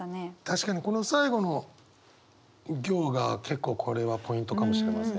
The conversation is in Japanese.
確かにこの最後の行が結構これはポイントかもしれませんね。